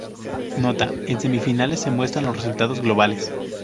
Nota: En semifinales se muestran los resultados globales.